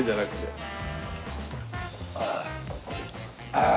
ああ。